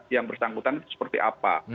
yang bersangkutan seperti apa